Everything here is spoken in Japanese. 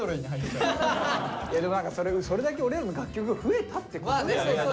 でもそれだけオレらの楽曲が増えたってことだよね。